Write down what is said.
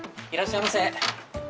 いらっしゃいませ。